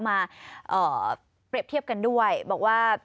มาเปรียบเทียบกันด้วยบอกว่า